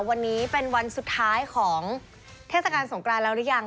วันนี้เป็นวันสุดท้ายของเทศกาลสงกรานแล้วหรือยัง